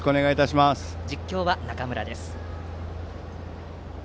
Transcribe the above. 実況は中村です。